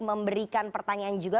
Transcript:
memberikan pertanyaan juga